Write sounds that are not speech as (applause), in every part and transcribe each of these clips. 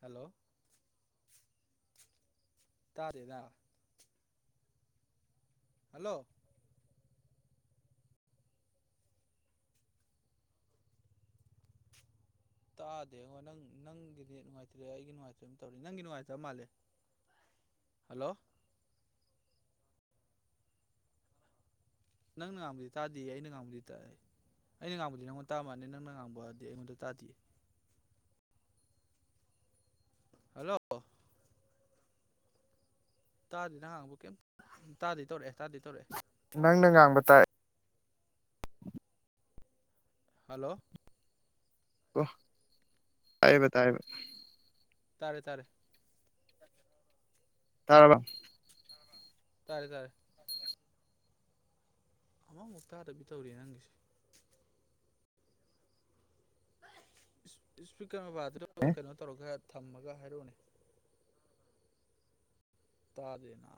hello ꯇꯥꯔꯦꯗ hello ꯇꯥꯗꯦꯡꯉꯣ ꯅꯪ ꯅꯪꯒꯤꯗꯤ ꯅꯨꯡꯉꯥꯏꯇ꯭ꯔꯦ ꯑꯩꯒꯤ ꯅꯨꯡꯉꯥꯏꯇ꯭ꯔꯦ ꯑꯃ ꯇꯧꯔꯤ ꯅꯪꯒꯤ ꯅꯨꯡꯉꯥꯏꯇꯕ ꯃꯥꯜꯂꯦ ꯍꯜꯂꯣ ꯅꯪꯅ ꯉꯥꯡꯕꯨꯗꯤ ꯇꯥꯗꯦ ꯑꯩꯅ ꯉꯥꯡꯕꯨꯗꯤ ꯇꯥ ꯑꯩꯅ ꯉꯥꯡꯕꯗꯤ ꯅꯪꯉꯣꯟꯗ ꯇꯥꯕ ꯃꯥꯅꯤ ꯅꯪꯅ ꯉꯥꯡꯕꯗꯤ ꯑꯩꯉꯣꯟꯗ ꯇꯥꯗꯦ ꯍꯜꯂꯣ ꯇꯥꯗꯤ ꯅ ꯍꯥꯡꯕ ꯀꯩꯝ ꯇꯥꯗꯤ ꯇꯧꯔꯛꯑꯦ ꯇꯥꯗꯤ ꯇꯧꯔꯛꯑꯦ ꯅꯪꯅ ꯉꯥꯡꯕ ꯇꯥꯏ ꯍꯜꯂꯣ ꯀꯣ ꯇꯦꯕ ꯇꯥꯏꯦ ꯇꯥꯔꯦ ꯇꯥꯔꯦ ꯇꯥꯔꯔꯕ ꯇꯥꯔꯦ ꯇꯥꯔꯦ ꯑꯃꯃꯨꯛ ꯇꯥꯗꯕꯤ ꯇꯧꯔꯤ ꯅꯪꯒꯤꯁꯦ ꯏꯁ ꯩꯅꯣꯕꯥꯗꯣ ꯀꯩꯅꯣ ꯇꯧꯔꯒ ꯊꯝꯃꯒ ꯍꯥꯏꯔꯛꯅꯦ ꯇꯥꯖꯦꯅ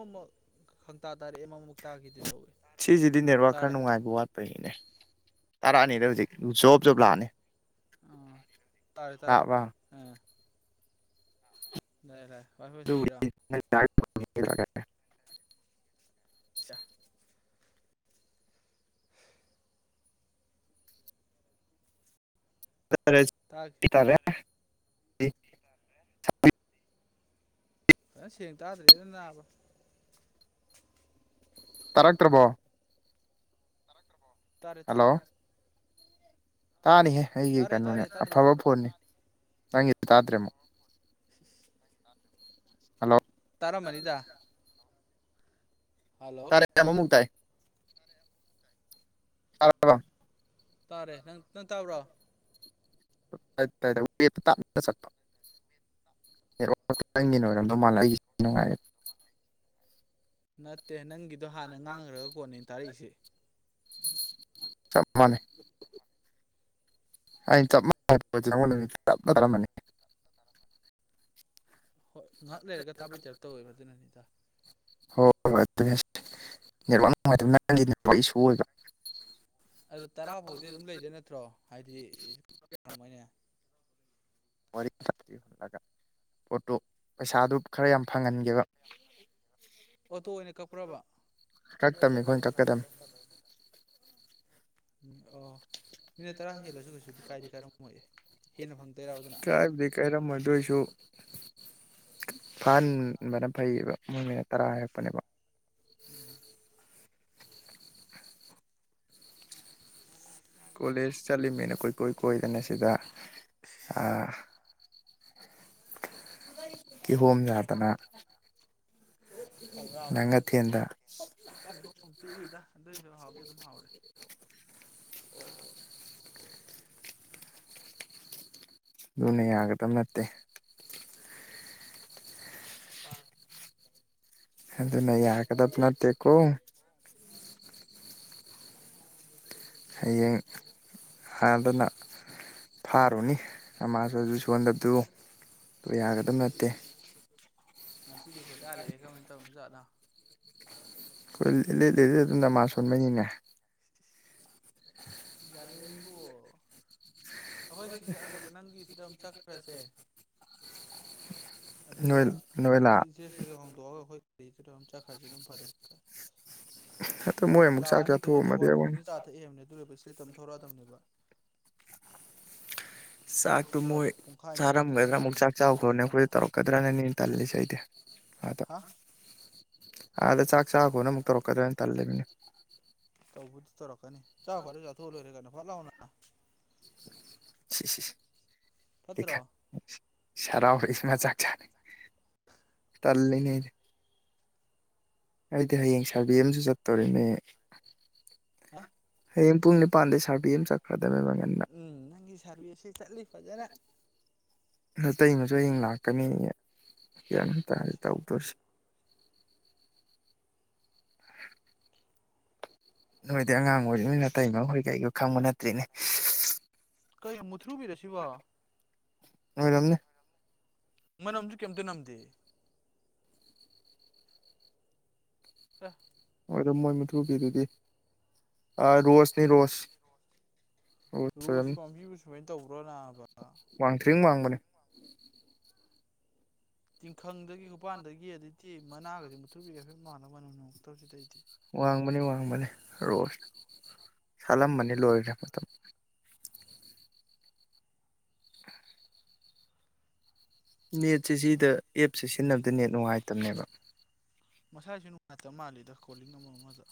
ꯑꯃꯛ ꯈꯪ ꯇꯥꯔꯦꯃꯛ ꯁꯤꯁꯤꯗꯤ ꯅꯦꯠꯋꯥꯔ ꯈꯔ ꯅꯨꯡꯉꯥꯏꯕ ꯋꯥꯠꯄꯒꯤꯅꯦ ꯇꯔꯛꯑꯅꯤꯗ ꯍꯧꯖꯤꯛ ꯖꯣꯞ ꯖꯣꯞ ꯂꯥꯛꯑꯅꯤ ꯑꯥ ꯇꯥꯔꯦ ꯇꯥꯔꯦ ꯂꯥꯛꯑꯕ ꯎꯝ ꯂꯩ ꯂꯩ (unintelligible) (unintelligible) ꯑꯆꯥ (unintelligible) ꯇꯥꯒꯦ ꯇꯥꯔꯦ (unintelligible) ꯑꯦ ꯁꯦꯡ ꯇꯥꯗ꯭ꯔꯦꯅ ꯅꯥꯕ ꯇꯥꯔꯛꯇ꯭ꯔꯕꯣ ꯇꯥꯔꯦꯠ ꯇꯥꯔꯦꯠ ꯍꯜꯂꯣ ꯇꯥꯅꯤꯍꯦ ꯑꯩꯒꯤ ꯀꯩꯅꯣꯅꯦ ꯇꯥꯔꯦ ꯇꯥꯗ꯭ꯔꯣ ꯑꯐꯕ ꯐꯣꯟꯅꯤ ꯅꯪꯒꯤ ꯇꯥꯗ꯭ꯔꯦꯃꯣ ꯍꯜꯂꯣ ꯇꯥꯔꯝꯃꯅꯤꯗ ꯍꯜꯂꯣ ꯇꯥꯔꯦ ꯌꯥꯝ ꯑꯃꯃꯨꯛꯇ ꯇꯥꯏ ꯆꯔ ꯇꯥꯔꯦ ꯅꯪ ꯅꯪ ꯇꯥꯕ꯭ꯔꯣ ꯋ ꯆꯠꯄꯇꯪꯒꯤꯅ ꯑꯣꯏꯔꯝꯗꯧ ꯃꯥꯜꯂ ꯑꯩꯒꯤ ꯅꯨꯡꯉꯥꯏ ꯅꯠꯇꯦ ꯅꯪꯒꯤ ꯑꯗ ꯍꯥꯟꯅ ꯉꯥꯡꯈ꯭ꯔꯒ ꯀꯣꯟꯅꯦ ꯇꯥꯔꯛꯏꯁꯦ ꯆꯞ ꯃꯥꯅꯦ ꯑꯩꯅ ꯆꯞ ꯃꯥꯟꯅꯉ ꯅꯨꯃꯤ ꯆꯞꯅ ꯇꯥꯔꯝꯕꯅꯤ ꯍꯣꯏ ꯉꯥꯏꯍꯥꯛ ꯂꯩꯔꯒ ꯇꯥꯕꯤ ꯇꯕ ꯇꯧꯋꯦꯕ ꯑꯗꯨꯅꯅꯤꯗ ꯍꯣꯏ ꯅꯦꯠꯋꯥꯛ ꯅꯨꯡꯉꯥꯏꯇꯕ ꯅ ꯏꯁꯨ ꯑꯣꯏꯕ ꯑꯗꯨ ꯇꯔꯥ ꯐꯥꯎꯗꯤ ꯑꯗꯨꯝ ꯂꯩꯗ ꯅꯠꯇ꯭ꯔꯣ ꯍꯥꯏꯗꯤꯝꯃꯣꯏꯅꯦ ꯋꯥꯔꯤꯜꯂꯒ ꯄꯣꯠꯇꯨ ꯄꯩꯁꯥꯗꯨ ꯈꯔ ꯌꯥꯝ ꯐꯪꯍꯟꯒꯦꯕ ꯑꯣꯇꯣ ꯑꯣꯏꯅ ꯀꯛꯈ꯭ꯔꯕ ꯀꯛꯇꯕꯃꯤ ꯑꯩꯈꯣꯏꯅ ꯀꯛꯀꯗꯝꯕꯅꯤ ꯑꯣ ꯃꯤꯅꯤꯠ ꯇꯔꯥ ꯍꯦꯜꯂꯁꯨ ꯀꯩꯁꯨꯗꯤ ꯀꯥꯏꯗꯤ ꯀꯔꯝ ꯑꯣꯏꯑꯦ ꯍꯅ ꯐꯪ ꯀꯥꯏꯗꯤ ꯀꯥꯏꯔꯝ ꯃꯗꯨꯁꯨ ꯐꯍꯟꯕꯅ ꯐꯩꯌꯦꯕ ꯃꯣꯏꯅ ꯇꯔꯥ ꯍꯥꯏꯔꯛꯄꯅꯦꯕ ꯎꯝ ꯀꯣꯂꯦꯖ ꯆꯠꯂꯤꯃꯤꯅ ꯀꯣꯏꯀꯣꯏ ꯀꯣꯏꯗꯅ ꯁꯤꯗ ꯑꯥ ꯀꯤꯍꯣꯝ ꯌꯥꯗꯅ ꯅꯪꯒꯊꯦꯟꯗ ꯏꯍꯣꯡ ꯄꯤꯛꯏꯗ ꯑꯗꯨꯏꯁꯨ ꯍꯥꯎꯗꯤ ꯑꯗꯨꯝ ꯍꯥꯎꯔꯦ ꯂꯨꯅ ꯌꯥꯒꯗꯕ ꯅꯠꯇꯦ ꯍ ꯑꯗꯨꯅ ꯌꯥꯒꯗ ꯅꯠꯇꯀꯣ ꯍꯌꯦꯡ ꯍꯥꯟꯅꯗꯅ ꯐꯥꯔꯨꯅꯤ ꯅꯃꯥꯁꯨꯁꯨ ꯁꯣꯟꯗꯕꯗꯨ ꯑꯗꯨ ꯌꯥꯒꯗꯕ ꯏꯁ ꯅꯠꯇꯦ ꯏꯁ ꯏꯁ ꯉꯁꯤꯗꯤ ꯈꯣꯏꯗꯥꯥꯔꯛꯑꯦ ꯀꯃꯥꯏ ꯇꯧꯅ ꯖꯠꯣ ꯣꯏ ꯂꯤꯠ ꯂꯤꯦ ꯑꯗꯨ ꯅ ꯃꯥ ꯁꯣꯟꯕꯅꯤꯅꯦ ꯂꯤꯕꯨ ꯑꯍꯣꯏ ꯁꯤꯗ ꯑꯗꯨ ꯅꯪꯒꯤ ꯁꯤꯗ ꯆꯠꯈ꯭ꯔꯁꯦ ꯑꯗꯨꯒ ꯅꯣꯏ ꯅꯣꯏ ꯂꯥꯛ ꯑꯩꯖꯦꯁ ꯍꯣꯡꯗꯣꯛꯑꯒ ꯑꯩꯈꯣꯏ ꯆꯔꯣ ꯑꯝꯆꯥ ꯈꯆꯨꯝ ꯐꯔꯦ ꯀ ꯑꯗꯨ ꯃꯣꯏ ꯑꯃꯨꯛ ꯂꯥ ꯆꯥꯛ ꯑꯅꯤꯈꯁꯨ ꯆꯥꯊꯣꯛꯑꯝꯃꯗꯤ ꯊꯧꯕꯥꯜ ꯑꯩꯉꯣꯟ ꯃꯖꯤꯡ ꯆꯥꯊꯛꯑꯦꯝꯅꯤ ꯑꯗꯨ ꯂꯩ ꯄꯩꯁꯥ ꯇꯝꯊꯣꯔꯛꯑꯗꯕꯅꯦꯕ ꯆꯥꯛꯇꯣ ꯃꯣꯏ ꯆꯥꯔꯝꯒꯗ꯭ꯔꯥ ꯑꯃꯨꯛ ꯆꯪꯒꯅꯤ ꯆꯥꯛ ꯄꯨꯡ ꯀꯩꯁꯨ ꯆꯈ꯭ꯔꯣꯅꯦ ꯑꯩꯈꯣꯏꯗ ꯆꯪꯉꯣꯏ ꯇꯧꯔꯛꯀꯗ꯭ꯔꯥꯅꯅꯦꯅ ꯇꯜꯂꯤꯁꯦ ꯑꯩꯗꯤ ꯍꯥ ꯑ ꯑꯗ ꯆꯥꯛ ꯆꯥ ꯀꯅ ꯑꯃꯨꯛ ꯇꯧꯔꯛꯀꯗ꯭ꯔꯅ ꯇꯜꯜꯂꯤꯃꯤꯅꯤ ꯇꯧꯕꯗꯤ ꯇꯧꯔꯛꯀꯅꯤ ꯆ ꯐꯔꯦ ꯆꯥꯊꯣꯛꯑ ꯂꯣꯏꯔꯦ ꯀꯩꯅꯣ ꯐꯠ ꯂꯥꯎꯑꯣꯅ (unintelligible) ꯁꯤ ꯐꯠꯇ꯭ꯔꯣ ꯁꯔꯥꯎꯅ ꯆ ꯆꯅꯤ ꯇꯂꯅꯦꯗꯤ ꯑꯩꯗꯤ ꯍꯌꯦꯡ ꯁꯥꯔꯕꯤ ꯑꯃꯁꯨ ꯆꯠꯇꯣꯔꯤꯅꯦ ꯍꯥ ꯍꯌꯦꯡ ꯄꯨꯡ ꯅꯤꯄꯥꯟꯗ ꯁꯥꯔꯕꯤ ꯑꯃ ꯆꯠꯈ꯭ꯔꯗꯦ ꯎꯝ ꯅꯪꯒꯤ ꯁꯥꯔꯚꯤꯁꯁꯤ ꯆꯠꯂꯤ ꯐꯖꯅ ꯑ ꯑꯇꯩꯃꯁꯨ ꯍꯌꯦꯡ ꯂꯥꯛꯀꯅꯤ ꯌꯥ ꯇ ꯇ ꯎꯗꯔꯁꯤ (unintelligible) ꯅꯣꯏꯗꯤꯩ ꯑꯉꯥꯡ ꯑꯣꯏꯔꯤ ꯅꯣꯏ ꯅꯥꯇꯩꯃꯈꯣꯏ ꯀꯩꯒꯣ ꯈꯪꯕ ꯅꯠꯇ꯭ꯔꯤꯅꯦ ꯀꯩ ꯃꯨꯊꯔꯨꯕꯤꯔꯁꯤꯕꯣ ꯑꯣꯏꯣꯏꯔꯝꯅꯦ ꯃꯅꯝꯁꯨ ꯀꯩꯝꯇ ꯅꯝꯗꯦ ꯑ ꯑꯣꯗ ꯃꯣꯏ ꯃꯊꯨꯕꯤꯗꯨꯗꯤ ꯔꯣꯁꯅꯤ ꯔꯣꯁ ꯑꯣꯝ ꯔꯣꯁ ꯄꯥꯝꯕꯤꯕꯨ ꯁꯨꯃꯥꯏꯅ ꯇꯧꯕ꯭ꯔꯣ ꯅꯥꯕ ꯃꯡꯊ꯭ꯔꯤ ꯋꯥꯡꯕꯅꯦ ꯎ ꯇꯤꯡꯈꯪꯗꯒꯤ ꯄꯥꯟꯗꯒꯤ ꯑꯗꯨꯩꯗꯤ ꯃꯅꯥꯒꯁꯦ ꯃꯨꯠꯊꯨꯕꯤꯒꯦ ꯍꯥꯏ ꯃꯥꯟꯅꯕ ꯃꯅꯃꯨꯛꯇꯧꯁꯤꯗꯩꯗꯤ ꯋꯥꯡꯕꯅꯤ ꯋꯥꯡꯕꯅꯤ ꯔꯣꯁ ꯁꯥꯠꯂꯝꯕꯅꯤ ꯂꯣꯏꯈ꯭ꯔꯦ ꯃꯇꯝ ꯅꯦꯠꯁꯦ ꯁꯤꯗ ꯑꯦꯞꯁꯦ ꯁꯤꯖꯤꯟꯅꯕꯗ ꯅꯦꯠ ꯅꯨꯡꯉꯥꯏꯇꯕꯅꯦꯕ ꯃꯁꯥꯁꯨ ꯅꯨꯡꯉꯥꯏꯇꯕ ꯃꯥꯜꯂꯤꯦꯗ ꯀꯣꯂꯤꯡ ꯑꯃ ꯑꯃꯗ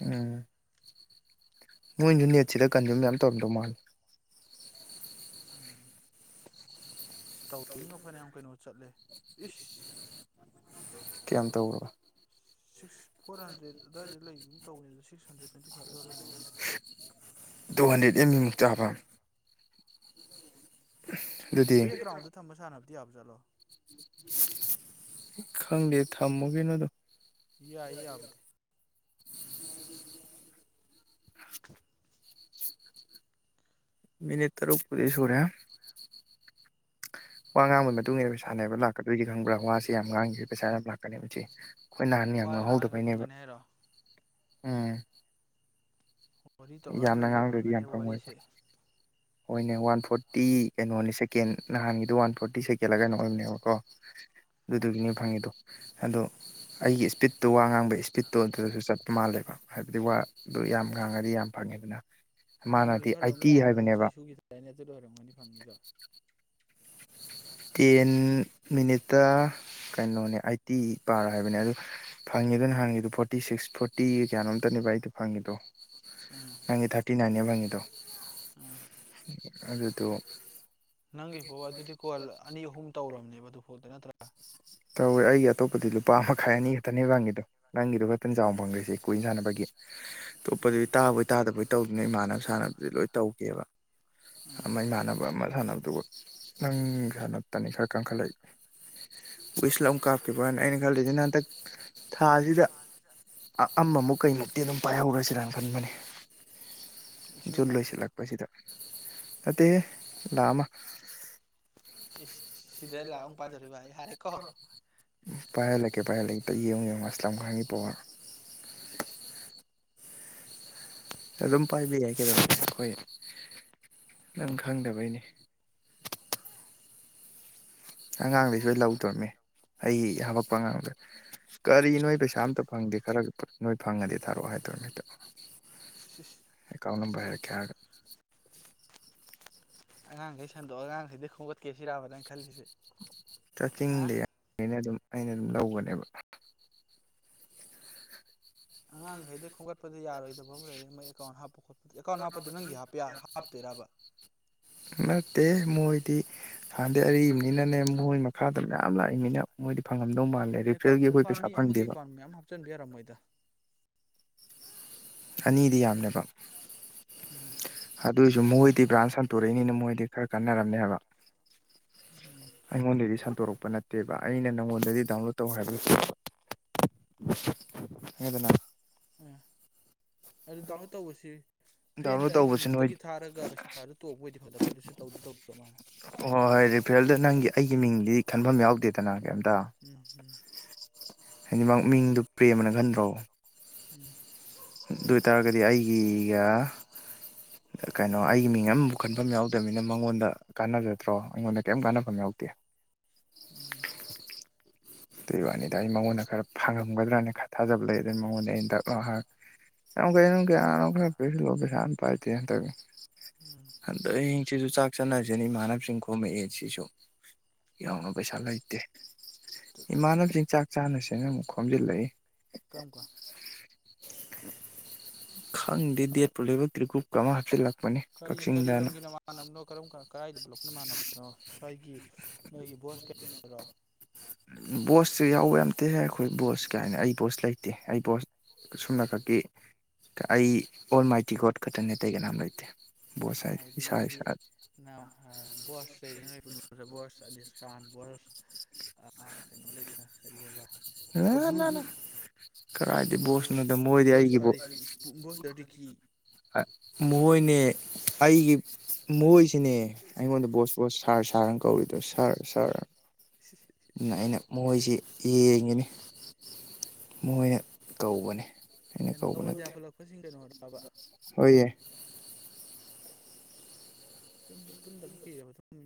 ꯎꯝ ꯅꯣꯏꯁꯨ ꯅꯦꯠꯁꯤꯗ ꯀꯟꯖꯨꯝ ꯃ ꯇꯧꯔꯝꯗꯧ ꯃꯥꯜꯂꯦ ꯎꯝ ꯇꯧꯤꯉꯣ ꯐꯅꯌꯥꯝ ꯀꯩꯅꯣ ꯆꯠꯂꯦ ꯏꯁ ꯀꯌꯥꯝ ꯇꯧꯔꯕ ꯁꯤꯛꯁ ꯐꯣꯔ ꯍꯟꯗ꯭ꯔꯦꯠ ꯑꯗꯨꯋꯥꯏꯗ ꯂꯩꯒꯨꯝ ꯇꯧꯕꯅꯤ ꯑꯗꯣ ꯁꯤꯛꯁ ꯍꯟꯗ꯭ꯔꯦꯗ ꯇ꯭ꯋꯦꯟꯇꯤ ꯐꯥꯏꯚ ꯌꯧꯔ ꯂꯩꯔꯃꯦ ꯑꯦꯝꯕꯤ ꯑꯦꯝꯒꯤꯃꯨꯛꯇ ꯑꯄꯥꯝ ꯑꯗꯨꯗꯤ ꯚꯒ꯭ꯔꯥꯎꯟꯗ ꯊꯝꯝꯕ ꯁꯥꯟꯅ ꯗꯗꯤꯌꯥꯞꯖꯣ ꯈꯪꯗꯦ ꯊꯝꯃꯨ ꯀꯩꯅꯣꯗꯣ ꯌꯥ ꯌꯥꯏ ꯌꯥꯕꯗꯤ (unintelligible) ꯃꯤꯅꯤꯠꯇꯔꯨ ꯀꯗꯤ ꯁꯨꯨꯔꯦ ꯋꯥ ꯉꯥꯡꯕꯒꯤ ꯃꯇꯨꯡ ꯏꯟꯅ ꯄꯩꯁꯥꯅꯦꯕ ꯂꯥꯛꯀꯗꯣꯏꯒꯦ ꯈꯪꯕ꯭ꯔꯥ ꯋꯥꯁꯦ ꯌꯥꯝ ꯉꯥꯡꯈ꯭ꯔꯦ ꯄꯩꯁꯥ ꯌꯥꯝ ꯂꯥꯛꯀꯅꯦ ꯃꯦ ꯑꯩꯈꯣꯏ ꯅꯍꯥꯟ ꯌꯥꯝ ꯋꯥ ꯉꯥꯡꯉꯤꯈꯩ ꯉꯥꯡꯍꯧꯗꯕꯩꯅꯦꯕ ꯐꯪꯒꯅꯤ ꯍꯥꯏꯔꯣ ꯎꯝ ꯋꯥꯔꯤ ꯇꯧꯔ ꯑꯃ ꯌꯥꯝꯅ ꯂꯩꯔꯤꯈꯩ ꯉꯥꯡꯗ꯭ꯔꯗꯤ ꯌꯥꯝ ꯐꯪꯒꯅꯦꯕ ꯐꯪꯉꯣꯏꯕ ꯋꯥꯔꯤꯁꯦ ꯍꯣꯏꯅꯦ ꯋꯥꯟ ꯐꯣꯔꯇꯤ ꯀꯩꯅꯣꯅꯦ ꯁꯦꯀꯦꯟ ꯅꯍꯥꯟꯒꯤꯗꯨ ꯋꯥꯟ ꯐꯣꯔꯇꯤ ꯁꯦꯀꯦꯜꯂ ꯀꯩꯅꯣ ꯑꯣꯏꯕꯅꯦꯕꯀꯣ ꯑꯥ ꯑꯗꯨꯗꯨꯒꯤꯅꯦ ꯐꯪꯉꯤꯗꯣ ꯑꯗꯣ ꯑꯩꯒꯤ ꯏꯁꯄꯤꯠꯇꯣ ꯋꯥ ꯉꯥꯡꯕꯩ ꯏꯁꯄꯤꯠꯇꯣ ꯑꯗꯨꯗꯁꯨ ꯆꯠꯄ ꯃꯥꯜꯂꯦꯕ ꯍꯥꯏꯕꯗꯤ ꯋꯥꯗꯨꯣ ꯌꯥꯝ ꯉꯥꯡꯉꯗꯤ ꯌꯥꯝ ꯐꯪꯉꯤꯗꯅ ꯅꯍꯥꯟꯒꯤꯗꯣ ꯈꯔ ꯃꯌꯥꯝꯑꯣ ꯑꯁꯣꯏ ꯁꯨꯈꯤꯗ꯭ꯔꯔꯅꯦ ꯑꯗꯨꯗ ꯑꯣꯏꯔꯝꯒꯅꯤ ꯐꯪꯉꯤꯗꯣ ꯇꯦꯟ ꯃꯤꯅꯤꯠꯇ ꯀꯩꯅꯣꯅꯦ ꯑꯠꯇꯤ ꯄꯥꯔ ꯍꯥꯏꯕꯅꯦ ꯑꯗꯨ ꯐꯪꯉꯦꯗꯅ ꯍꯪꯉꯤꯗ ꯐꯣꯔꯇꯤ ꯁꯤꯛꯁ ꯐꯣꯔꯇꯤ ꯀꯌꯥꯅꯣꯝꯇꯅꯦꯕ ꯑꯩꯗꯣ ꯐꯪꯉꯤꯗꯣ ꯅꯪꯉꯦ ꯊꯥꯔꯇꯤ ꯅꯥꯏꯟ ꯐꯪꯉꯤꯗꯣ ꯎ ꯑ ꯑꯗꯨ ꯇꯣ ꯅꯪ ꯄꯣ ꯑꯗꯨꯗꯤ ꯀꯣꯜ ꯑꯅꯤ ꯑꯍꯨꯝ ꯇꯧꯔꯕꯅꯦꯕ ꯑꯗꯨꯐꯥꯎꯗ ꯅꯠꯇ꯭ꯔꯥ ꯇꯧꯋꯦ ꯑꯩꯒꯤ ꯑꯇꯣꯞꯄꯗꯤ ꯂꯨꯄꯥ ꯑꯃ ꯃꯈꯥꯏ ꯑꯅꯤ ꯈꯛꯇꯅꯦꯕꯪꯒꯤꯗꯣ ꯅꯪꯒꯤꯗꯨꯣ ꯇꯟ ꯆꯥꯎꯅ ꯐꯪꯈ꯭ꯔꯁꯦ ꯀꯨꯏꯅ ꯁꯥꯟꯅꯕꯒꯤ ꯑꯥ ꯑꯣꯞꯄꯗꯨꯗꯤ ꯇꯥꯕꯣꯏ ꯇꯥꯗꯕꯣꯏ ꯇꯧꯗꯅ ꯏꯃꯥꯟꯅꯕ ꯏꯁꯥꯟꯅ ꯑꯗꯨ ꯂꯣꯏ ꯇꯧꯒꯦꯕ ꯑꯃ ꯑꯥ ꯏꯃꯥꯟꯅꯕ ꯑꯃ ꯁꯥꯟꯅꯕꯗꯨꯒ ꯅꯪ ꯁꯥꯟꯅꯇꯅꯤ ꯈꯔ ꯀꯟꯈꯠꯂꯛꯏ ꯋꯏꯁ ꯑꯃ ꯀꯥꯞꯄꯤꯈꯤꯕꯅ ꯑꯩꯅ ꯈꯜꯗꯁꯤ ꯅ ꯍꯟꯗꯛ ꯊꯥꯁꯤꯗ ꯑꯃꯃꯨꯛ ꯀꯩꯃꯨꯛꯇꯤ ꯑꯗꯨꯝ ꯄꯥꯏꯍꯧꯔꯁꯤꯔꯅ ꯈꯟꯕꯅꯤ ꯂꯤꯁꯤꯡ ꯖꯨ ꯑꯃ ꯂꯣꯏꯁꯤꯜꯂꯛꯄꯁꯤꯗ ꯅꯇꯩ ꯂ ꯑꯃ ꯁꯤꯗ ꯂꯥꯛꯑꯣ ꯄꯥꯖꯔꯤꯕ ꯑꯩ ꯍꯥꯏꯔ ꯑ ꯄꯥꯏꯍꯜꯂꯛꯀꯦ ꯄꯥꯏꯍꯜꯂꯛꯦꯇ ꯌꯦꯡꯉꯨ ꯌꯦꯡꯉ ꯑꯁꯂꯝ ꯈꯥꯒꯤ ꯄꯋꯥ (unintelligible) ꯑꯗꯨꯝ ꯄꯥꯏꯕꯤ ꯌꯥꯏ ꯀꯗꯣ ꯑꯩꯈꯣꯏ ꯅꯪ ꯈꯪꯗꯕꯩꯅꯤ ꯑꯉꯥꯡꯗꯩꯁꯨ ꯑꯩ ꯂꯧꯗꯣꯔꯅꯦ ꯑꯩ ꯍꯥꯄꯛꯄ ꯑꯉꯥꯡꯗ ꯀꯔꯤ ꯅꯣꯏ ꯄꯩꯁꯥ ꯑꯝꯇ ꯐꯪꯗꯦ ꯈꯔ ꯅꯣꯏ ꯐꯪꯉꯗꯤ ꯊꯥꯔꯛꯑꯣ ꯍꯥꯏꯗꯣꯏꯔꯦ ꯃꯤꯇ ꯁꯤ ꯀꯅꯕ ꯍꯥꯏꯔꯛꯀꯦ ꯍꯥꯏꯒ ꯑꯉꯥꯡꯈꯩ ꯁꯟꯗꯣꯛꯑꯣ ꯑꯉꯥꯡꯈꯩꯗꯤꯩ ꯈꯣꯒꯠꯀꯦ ꯁꯤꯔꯥꯔꯕꯅ ꯈꯜꯂꯤꯁꯦ ꯍꯥ ꯇ꯭ꯔꯀꯤꯡꯗꯤ ꯌꯥꯅꯦ ꯑꯗꯨꯝ ꯑꯩꯅ ꯑꯗꯨꯝ ꯂꯧꯒꯅꯦꯕ ꯑꯪꯥꯡꯪ ꯍꯥꯏꯗ ꯈꯣꯡ ꯍꯥꯞꯄꯗ ꯌꯥꯔꯣꯏꯗꯕ ꯑꯃ ꯂꯩꯔ ꯃꯣꯏ ꯑꯦꯀꯥꯎꯟ ꯍꯥꯞꯄ ꯈꯣꯠꯄ ꯑꯦꯀꯥꯎꯟ ꯍꯥꯞꯄꯗ ꯅꯪꯒꯤ ꯍꯥꯞꯄ ꯍꯥꯞꯇꯣꯏꯔꯕ ꯗꯦ ꯃꯣꯏꯗꯤ ꯍꯥꯟꯗꯤ ꯑꯔꯤꯕꯅꯤꯅꯅꯦ ꯃꯣꯏ ꯃꯈꯥꯗ ꯃꯌꯥꯝ ꯂꯥꯛꯏꯅꯤꯅ ꯃꯣꯏꯗꯤ ꯐꯪ ꯑꯦꯀꯥꯎꯟ ꯃꯤ ꯑꯃꯒꯤ ꯑꯦꯀꯥꯎꯟ ꯃꯌꯥꯝ ꯍꯥꯞꯆꯤꯟꯕ ꯌꯥꯔꯝꯃꯣꯏꯗ ꯑꯅꯤꯗꯤ ꯌꯥꯝꯅꯦꯕ ꯎꯝ ꯑꯗꯨ ꯃꯣꯏꯗꯤ ꯕ꯭ꯔꯥꯟꯁ ꯁꯟꯇꯣꯔꯛꯏꯅꯤꯅ ꯃꯣꯏꯗꯤ ꯈꯔ ꯀꯟꯅꯔꯝꯅꯦꯕ ꯎꯝ ꯑꯩꯉꯣꯟꯗꯦꯔꯤ ꯆ ꯇꯧꯣꯔꯛꯄ ꯅꯠꯇꯦꯕ ꯑꯩꯅ ꯅꯪꯉꯣꯟꯗꯗꯤ ꯗꯥꯎꯟꯂꯣꯗ ꯇꯧ ꯍꯥꯏꯕꯁꯨꯗꯅ ꯇ ꯑꯗꯨ ꯗꯥꯎꯟꯂꯣꯗ ꯇꯧꯕꯁꯤ ꯐ꯭ꯔꯦꯟꯗ ꯗꯥꯎꯟꯂꯣꯗ ꯑꯩꯒꯤ ꯇꯧꯕꯁꯨ ꯅꯣꯏ ꯂꯤꯡꯇꯒꯤ ꯊꯥꯔꯒ ꯄꯩꯁꯥꯗꯨ ꯇꯣꯛꯄ ꯑꯣꯏꯗꯤ ꯐꯗꯕ ꯑꯗꯨꯁꯨ ꯇꯧꯗꯤ ꯇꯧꯗꯧ ꯃꯥꯜꯅꯤ ꯍꯣꯏ ꯔꯤꯐ꯭ꯔꯦꯜꯗ ꯅꯪꯒꯤ ꯑꯩꯒꯤ ꯃꯤꯡꯗꯤ ꯈꯟꯐꯝ ꯌꯥꯎꯗꯦꯗꯅ ꯀꯩꯝꯇ ꯎꯝꯝ ꯍꯥꯏꯗꯤ ꯃꯤꯡꯗꯨ ꯄ꯭ꯔꯦꯝꯃꯅ ꯈꯟꯗ꯭ꯔꯣ ꯎꯝ ꯑꯗꯨ ꯑꯣꯏ ꯇꯥꯔꯒꯗꯤ ꯑꯩꯒꯤꯒ ꯀꯩꯅꯣ ꯑꯩꯒꯤ ꯃꯤꯡ ꯑꯃꯕꯨ ꯈꯟꯐꯝ ꯌꯥꯎꯗꯕꯅꯤꯅ ꯃꯉꯣꯟꯗ ꯀꯥꯟꯅꯖꯗ꯭ꯔꯣ ꯑꯩꯉꯣꯟꯗ ꯀꯩꯝ ꯀꯥꯟꯅꯐꯝ ꯌꯥꯎꯗꯦ ꯎꯝ ꯑꯗꯨ ꯋꯥꯅꯤꯗ ꯑꯩ ꯃꯉꯣꯟꯗ ꯈꯔ ꯐꯪꯉꯝꯒꯗ꯭ꯔꯥꯅ ꯈꯔ ꯊꯥꯖꯕ ꯂꯩ ꯑꯗꯨ ꯃꯉꯣꯟꯗ ꯑ ꯌꯥꯝ ꯀ ꯀꯅ ꯄꯁꯂ ꯁꯥꯟ ꯄꯥꯏꯇ ꯇ ꯎꯝ ꯑꯗ ꯁꯤꯁꯨ ꯆꯥꯛ ꯆꯟꯅꯁꯤꯅꯤ ꯏꯃꯥꯟꯅꯕꯁꯤꯡ ꯈꯣꯝꯃꯛꯑꯦ ꯁꯤꯁꯨ ꯍꯥ ꯌꯥꯅ ꯄꯩꯁꯥ ꯂꯩꯇꯦ ꯏꯃꯅ ꯆ ꯆꯥꯛ ꯆꯥꯅ ꯁꯦꯡꯅ ꯑꯃꯨꯛ ꯈꯣꯝꯖꯤꯜꯂꯛꯏ ꯀꯔꯝ ꯀꯥꯟ ꯈꯪꯗ ꯗ ꯄꯂꯤꯕꯛꯇ꯭ꯔꯤꯀꯨꯞꯨꯞ ꯀꯃꯥ ꯍꯥ ꯂꯥꯛ ꯀꯔꯤ ꯀꯔꯤ ꯂꯝꯒꯤꯅ ꯃꯥꯟꯅꯕꯅꯣ ꯀꯔ ꯀꯔꯥꯏꯗ ꯄꯨꯂꯣꯅ ꯃꯥꯟꯅꯕꯅꯣ ꯉꯁꯥꯏꯒꯤ ꯅꯣꯏꯒꯤ ꯕꯣꯁ ꯀꯌꯥꯔꯣ ꯁꯤ ꯌꯥꯎꯕ ꯑꯝꯇꯦꯍꯦ ꯑꯩꯈꯣꯏ ꯕꯣꯁ ꯀꯩꯥꯏꯅ ꯑꯩ ꯕꯣꯁ ꯂꯩꯇꯦ ꯑꯩ ꯕꯣꯁ ꯁꯁꯨꯝꯅ ꯈꯛꯀꯤ ꯑꯩ ꯑꯣꯜ ꯃꯥꯏ ꯇꯤ ꯒꯣꯗ ꯈꯛꯇꯪꯅꯦ ꯑꯇꯩ ꯀꯅꯥꯝ ꯂꯩꯇꯦ ꯕꯣꯁ ꯑꯩꯅ ꯍꯥꯏꯗꯤ ꯏꯁꯥ ꯅꯪꯒꯤ ꯏꯁꯥ ꯕꯣꯁ ꯂꯩꯣꯏ ꯕꯁ ꯑꯁ ꯆꯥꯟ ꯕꯣꯔꯁ ꯀꯩꯅꯣ ꯂꯩꯇꯅ ꯀꯔꯤꯑꯕ ꯀꯔꯥꯏꯗꯤ ꯕꯣꯁ ꯕꯣꯁꯅꯣꯗ ꯃꯣꯏꯗꯤ ꯕꯣꯁ ꯑꯩꯒꯤꯕꯨꯣ ꯑꯔꯤꯐ ꯕꯣꯁ ꯗꯔꯗꯤꯀꯤ ꯃꯣꯏꯅꯦ ꯑꯩꯒꯤ ꯃꯣꯏꯁꯤꯅꯦ ꯑꯩꯉꯣꯟꯗ ꯕꯣꯁ ꯕꯣꯁ ꯁꯥꯔ ꯁꯥꯔꯅ ꯀꯧꯔꯤꯗꯣ ꯁꯥꯔ ꯁꯥꯥꯔ (unintelligible) ꯑꯗꯨꯅ ꯑꯩꯅ ꯃꯈꯣꯏꯁꯤ ꯌꯦꯡꯉꯤꯅꯤ ꯃꯣꯏꯅ ꯀꯧꯕꯅꯤ ꯅꯕꯗꯤꯦ ꯀꯁꯤꯤꯡ ꯀ ꯃꯔꯔ ꯋꯥꯕ ꯍꯣꯏꯌꯦꯦ ꯄꯨꯟꯗꯕꯨ ꯀꯤꯔꯕ ꯃꯇꯨꯡ